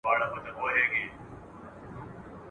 سولاغه هره ورځ څاه ته نه لوېږي !.